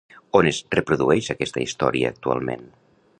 On es reprodueix aquesta història actualment?